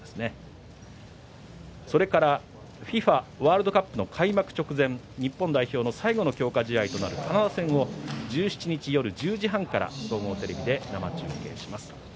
ワールドカップの開幕直前、日本代表の強化試合となるカナダ戦を１７日夜１０時半から総合テレビで生中継します。